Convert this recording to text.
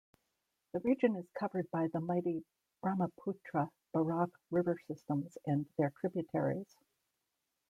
The region is covered by the mighty Brahmaputra-Barak river systems and their tributaries.